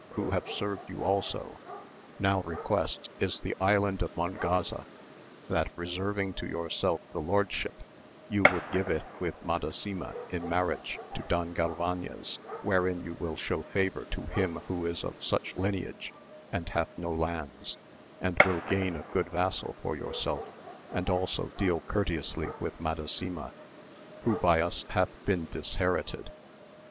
who have served you also, now request, is the Island of Mongaza, that reserving to yourself the lordship you would give it with Madasima in marriage to Don Galvanes, wherein you will show favour to him who is of such lineage and hath no lands, and will gain a good vassal for yourself, and also deal courteously with Madasima, who by us hath been disherited.